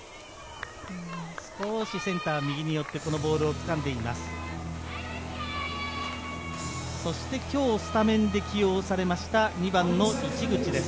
少しセンター右によってこのボールを掴んでいます。